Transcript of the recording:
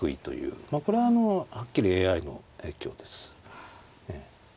これははっきりＡＩの影響です。